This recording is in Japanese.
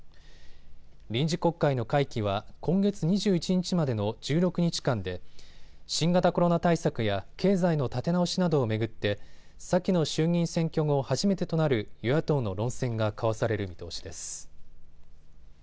臨時国会の会期は今月２１日までの１６日間で新型コロナ対策や経済の立て直しなどを巡って先の衆議院選挙後初めてとなる与野党の論戦が交わされる見通しです。